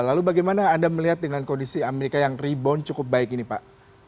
lalu bagaimana anda melihat dengan kondisi amerika yang rebound cukup baik ini pak